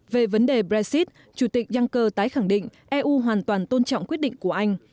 về vấn đề brexit chủ tịch yungcker tái khẳng định eu hoàn toàn tôn trọng quyết định của anh